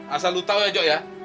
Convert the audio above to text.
asal lo tau ya jok ya